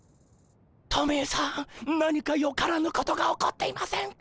トミーさん何かよからぬことが起こっていませんか？